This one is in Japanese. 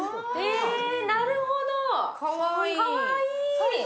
なるほど、かわいい。